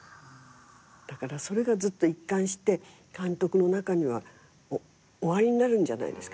だからそれがずっと一貫して監督の中にはおありになるんじゃないですかね。